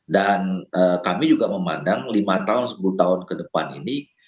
dan kami juga memandang lima tahun sepuluh tahun ke depan ini